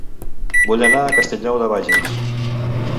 Vull anar a Castellnou de Bages